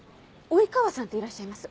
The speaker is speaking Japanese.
及川さんっていらっしゃいます？